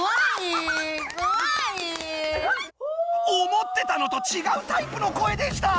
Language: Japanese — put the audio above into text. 思ってたのとちがうタイプの声でした！